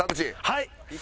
はい。